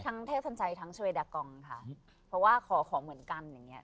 ทั้งเทพทันใจทั้งช่วยดากองค่ะเพราะว่าขอเหมือนกันอย่างนี้ค่ะ